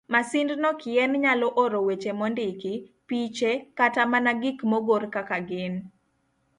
Masindno kien nyalo oro weche mondiki, piche, kata mana gik mogor kaka gin.